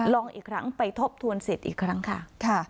ลองอีกครั้งไปทบทวนสิทธิ์อีกครั้งค่ะ